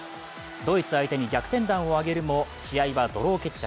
ドイツ相手に逆転弾を挙げるも試合はドロー決着。